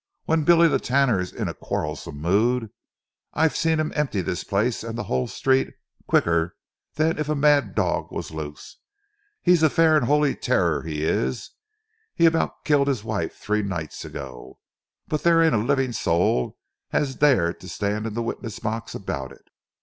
When Billy the Tanner's in a quarrelsome mood, I've see 'im empty this place and the whole street, quicker than if a mad dog was loose. 'E's a fair and 'oly terror, 'e is. 'E about killed 'is wife, three nights ago, but there ain't a living soul as 'd dare to stand in the witness box about it."